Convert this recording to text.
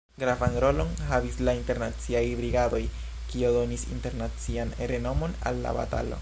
Gravan rolon havis la Internaciaj Brigadoj, kio donis internacian renomon al la batalo.